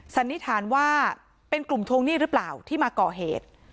สันนิษฐานว่าเป็นกลุ่มทวงหนี้หรือเปล่าที่มาก่อเหตุ